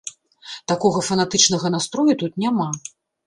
Такога фанатычнага настрою тут няма.